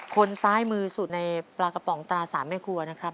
คนซ้ายมือสุดในปลากระป๋องตรา๓แม่ครัวนะครับ